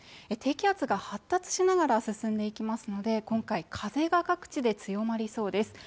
低気圧が発達しながら進んでいきますので今回風が各地で強まりそうです